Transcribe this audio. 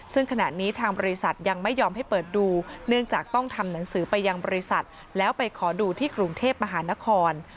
ซึ่งขณะนี้ทางบริษัทยังไม่ยอมให้เปิดดูเนื่องจากต้องทำหนังสือไปยังบริษัทแล้วไปขอดูที่กรุงเทพมหานคร